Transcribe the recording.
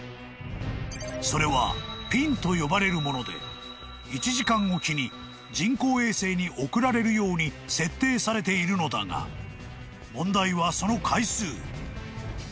［それはＰＩＮと呼ばれるもので１時間置きに人工衛星に送られるように設定されているのだが問題はその回数］